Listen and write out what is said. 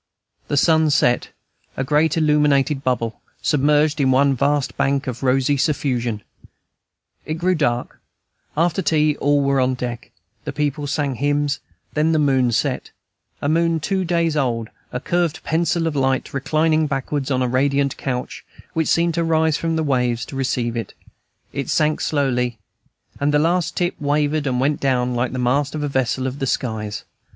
The sun set, a great illuminated bubble, submerged in one vast bank of rosy suffusion; it grew dark; after tea all were on deck, the people sang hymns; then the moon set, a moon two days old, a curved pencil of light, reclining backwards on a radiant couch which seemed to rise from the waves to receive it; it sank slowly, and the last tip wavered and went down like the mast of a vessel of the skies.